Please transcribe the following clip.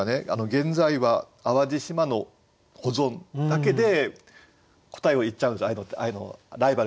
「現在は淡路島の保存」だけで答えを言っちゃうんですライバルがね。